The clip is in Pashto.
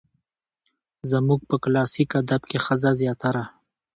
زموږ په کلاسيک ادب کې ښځه زياتره